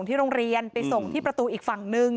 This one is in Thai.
พอครูผู้ชายออกมาช่วยพอครูผู้ชายออกมาช่วย